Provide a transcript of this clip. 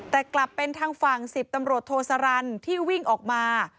แต่กลับเป็นทางฝั่ง๑๐ตำรวจโทสรรที่วิ่งออกมา